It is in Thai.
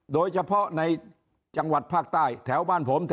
โดยเฉพาะในจังหวัดภาคใต้แถวบ้านผม